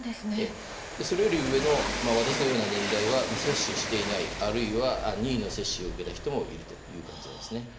それより上の私のような年代は接種していない、あるいは任意の接種を受けている人もいるということです。